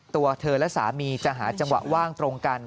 ตัวเธอและสามีจะหาจังหวะว่างตรงกัน